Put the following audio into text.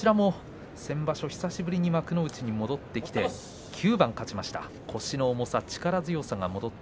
先場所久しぶりに幕内に戻って９番勝っています。